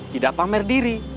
tidak pamer diri